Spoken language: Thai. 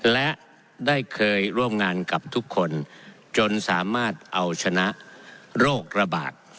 และได้เคยร่วมงานกับทุกคนจนสามารถเอาชนะโรคระบาด